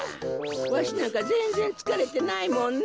わしなんかぜんぜんつかれてないもんね。